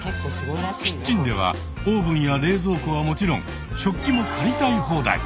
キッチンではオーブンや冷蔵庫はもちろん食器も借りたい放題。